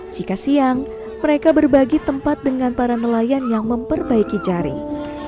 jika siang mereka berbagi tempat dengan para nelayan yang memperbaiki jaring